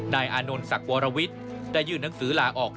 นายอนนสักวรวิทย์ได้ยื่นหนังสือหล่าออก